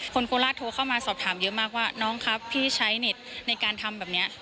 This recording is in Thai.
โคราชโทรเข้ามาสอบถามเยอะมากว่าน้องครับพี่ใช้เน็ตในการทำแบบนี้